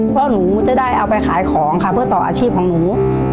เพราะหนูจะได้เอาไปขายของค่ะเพื่อต่ออาชีพของหนู